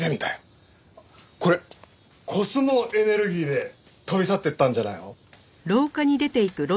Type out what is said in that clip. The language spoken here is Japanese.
これコスモエネルギーで飛び去っていったんじゃないの？